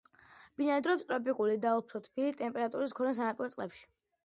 ბინადრობს ტროპიკული და უფრო თბილი ტემპერატურის მქონე სანაპირო წყლებში.